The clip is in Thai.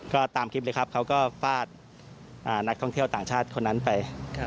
ก็ตามคลิปเลยครับเขาก็ฟาดนักท่องเที่ยวต่างชาติคนนั้นไป